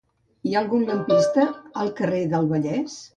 Hi ha algun lampista al carrer del Vallès?